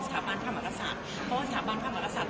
สถาบันธมภศัพท์เพราะว่าสถาบันธมภศัพท์